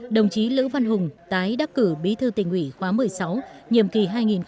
đồng chí lữ văn hùng tái đắc cử bí thư tỉnh ủy khóa một mươi sáu nhiệm kỳ hai nghìn hai mươi hai nghìn hai mươi năm